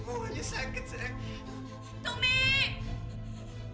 perut sakit kepala sakit semuanya sakit